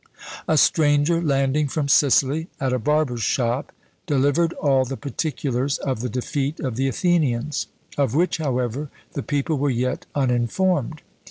A stranger landing from Sicily, at a barber's shop, delivered all the particulars of the defeat of the Athenians; of which, however, the people were yet uninformed.